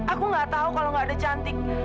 aku nggak tahu kalau nggak ada cantik